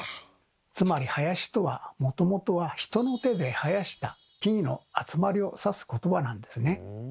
つまり「林」とはもともとは人の手で生やした木々の集まりを指すことばなんですね。